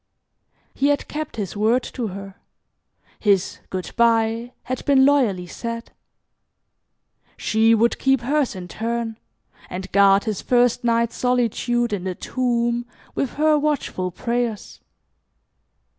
He had kept his word to her. His "good bye" had been loyally said. She would keep hers in turn, and guard his first night's solitude in the tomb with her watchful prayers.